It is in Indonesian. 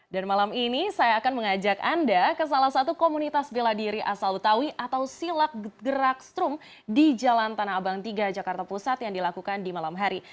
dan malam ini saya akan mengajak anda ke salah satu komunitas bela diri asal betawi atau silat gerak strung di jalan tanah abang tiga jakarta pusat yang dilakukan di malam hari